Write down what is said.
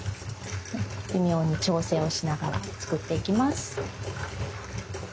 微妙に調整をしながら作っていきます。